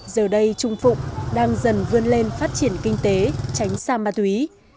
giờ đây trung phụng đang dần vươn lên phát triển kinh tế tránh xa ma túy